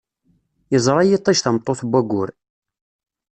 Yeẓra yiṭij tameṭṭut n waggur.